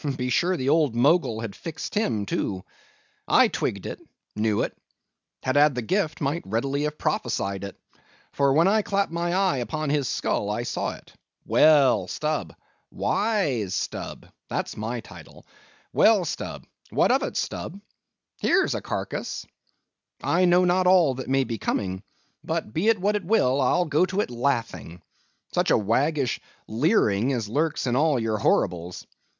Be sure the old Mogul has fixed him, too. I twigged it, knew it; had had the gift, might readily have prophesied it—for when I clapped my eye upon his skull I saw it. Well, Stubb, wise Stubb—that's my title—well, Stubb, what of it, Stubb? Here's a carcase. I know not all that may be coming, but be it what it will, I'll go to it laughing. Such a waggish leering as lurks in all your horribles!